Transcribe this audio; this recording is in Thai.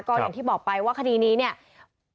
ก็อย่างที่บอกไปว่าคดีนี้เนี่ย